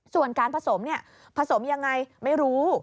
ส่วนการผสมเนี่ยผสมยังไงไม่รู้